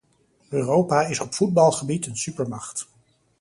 Europa is op voetbalgebied een supermacht.